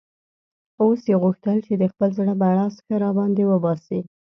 اوس یې غوښتل چې د خپل زړه بړاس ښه را باندې وباسي.